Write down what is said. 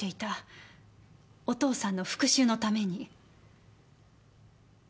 お父さんの復讐のために。